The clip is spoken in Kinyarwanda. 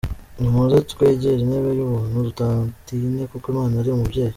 Nimuze twegere intebe y’ubuntu tudatinya kuko Imana ari umubyeyi.